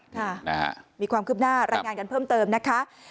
ค่ะนะฮะมีความคืบหน้ารายงานกันเพิ่มเติมนะคะ